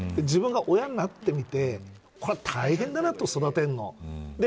自分が親になってみてこれは大変だなと、育てるの。